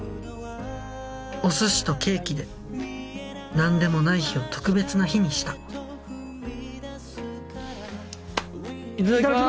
お寿司とケーキで何でもない日を特別な日にしたいただきます！